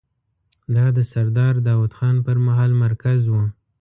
دا د سردار داوود خان پر مهال مرکز و.